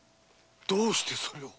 どうしてそれを？